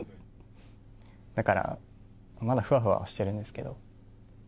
だからまだふわふわしているんですけど。